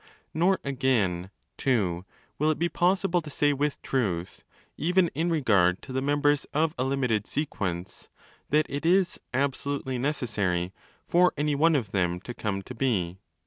| 30 ~=Nor again (ii) will it be possible to say with truth, even in regard to the members of a limited sequence, that it is 'absolutely necessary' for any one of them to come to be.